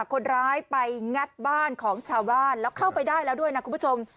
คนร้ายไปงัดบ้านของชาวบ้านแล้วเข้าไปได้แล้วด้วยนะคุณผู้ชม